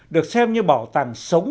được xem như bảo tàng sống